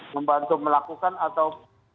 membantu melakukan atau